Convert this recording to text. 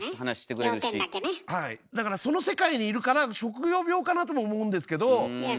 だからその世界にいるから職業病かなとも思うんですけど。